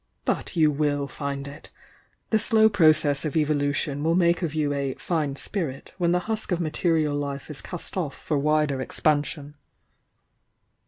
But you will find it! The slow process of evolution will make of you a 'fine spirit' when the husk of material life b cast off for wider expansion."